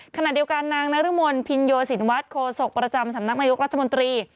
ขณะเดียวกันนางนรมนภินโยสินวัฒน์โคศกประจำสำนักนายกรัฐมนตรี